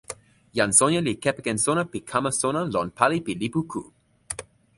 jan Sonja li kepeken sona pi kama sona lon pali pi lipu ku.